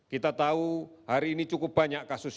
kita tahu hari ini cukup banyak kasus